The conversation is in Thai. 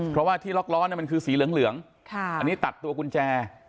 เพราะว่าที่ล็อกล้อมันคือสีเหลืองอันนี้ตัดตัวกุญแจ